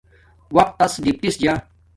وقت تس ڈپٹس جا